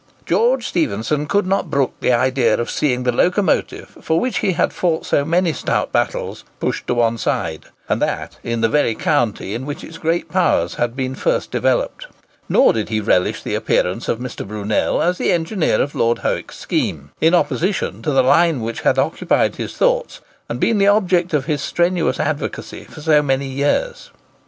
George Stephenson could not brook the idea of seeing the locomotive, for which he had fought so many stout battles, pushed to one side, and that in the very county in which its great powers had been first developed. Nor did he relish the appearance of Mr. Brunel as the engineer of Lord Howick's scheme, in opposition to the line which had occupied his thoughts and been the object of his strenuous advocacy for so many years.